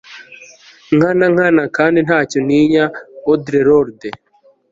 nkana nkana kandi ntacyo ntinya. - audre lorde